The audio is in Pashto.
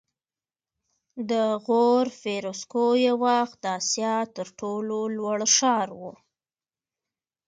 د غور فیروزکوه یو وخت د اسیا تر ټولو لوړ ښار و